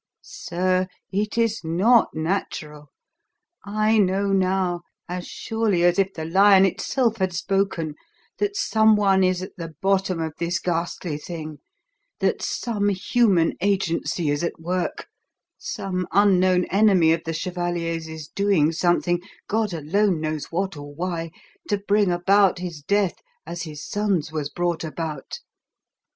Sir, it is not natural; I know now, as surely as if the lion itself had spoken, that someone is at the bottom of this ghastly thing, that some human agency is at work, some unknown enemy of the chevalier's is doing something, God alone knows what or why, to bring about his death as his son's was brought about."